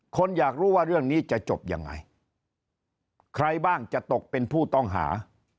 คนอยากรู้ว่าเรื่องนี้จะจบยังไงใครบ้างจะตกเป็นผู้ต้องหา